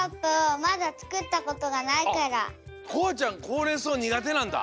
こあちゃんほうれんそうにがてなんだ？